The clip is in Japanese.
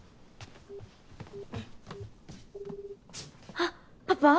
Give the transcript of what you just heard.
あっパパ！